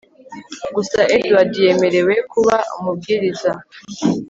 gusa edward yemerewe kuba umubwiriza